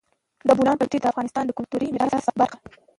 د بولان پټي د افغانستان د کلتوري میراث برخه ده.